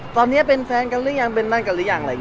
ตอนนี้เป็นแฟนกันหรือยังเป็นนั่นกันหรือยัง